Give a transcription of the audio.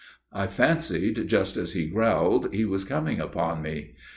I fancied, just as he growled, he was coming upon me.